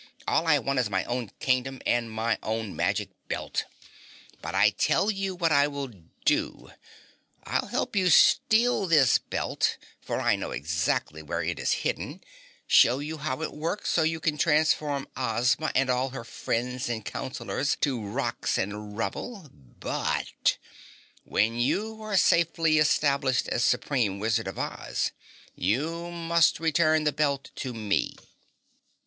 "All I want is my own old Kingdom and my own magic belt! But I tell you what I will do. I'll help you steal this belt, for I know exactly where it is hidden, show you how it works so you can transform Ozma and all her friends and counselors to rocks and rubble. BUT, when you are safely established as supreme Wizard of Oz, you must return the belt to me."